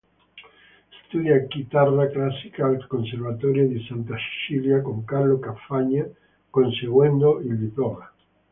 Studia chitarra classica al Conservatorio di Santa Cecilia con Carlo Carfagna, conseguendo il diploma.